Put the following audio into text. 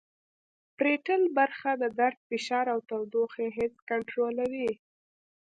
پریټل برخه د درد فشار او تودوخې حس کنترولوي